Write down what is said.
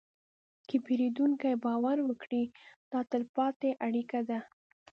که پیرودونکی باور وکړي، دا تلپاتې اړیکه ده.